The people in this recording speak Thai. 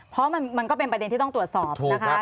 เพราะมันก็เป็นประเด็นที่ต้องตรวจสอบนะคะ